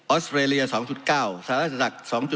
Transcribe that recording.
ออสเตรเลีย๒๙สหรัฐศัตริย์ศัตริย์๒๖